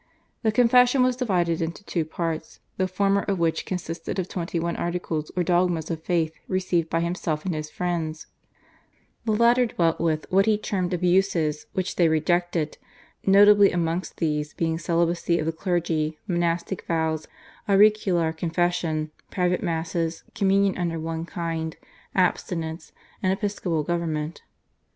The Confession was divided into two parts, the former of which consisted of twenty one articles or dogmas of faith received by himself and his friends; the latter dwelt with what he termed abuses which they rejected, notable amongst these being celibacy of the clergy, monastic vows, auricular confession, private masses, communion under one kind, abstinence, and episcopal government.